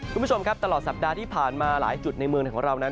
คุณผู้ชมครับตลอดสัปดาห์ที่ผ่านมาหลายจุดในเมืองไทยของเรานั้น